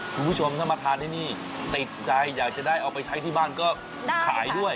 คุณผู้ชมถ้ามาทานที่นี่ติดใจอยากจะได้เอาไปใช้ที่บ้านก็ขายด้วย